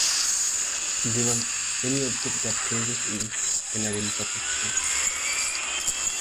Given, any object that changes is in an imperfect state.